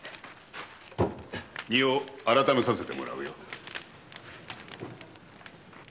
荷を改めさせてもらうよ。